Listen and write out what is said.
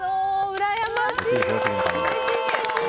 うらやましい！